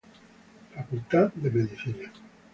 Facultad de Medicina.